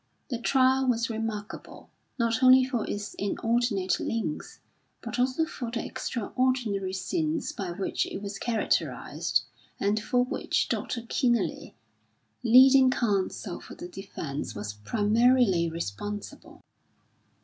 The trial was remarkable, not only for its inordinate length, but also for the extraordinary scenes by which it was characterised and for which Dr. Kenealy, leading counsel for the defence, was primarily responsible.